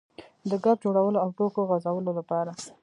د ګپ جوړولو او ټوکو غځولو لپاره.